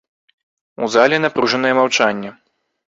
У зале напружанае маўчанне.